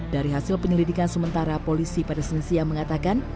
dari hasil penyelidikan sementara polisi pada senisnya mengatakan